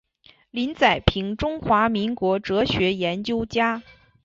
林宰平中华民国哲学研究家。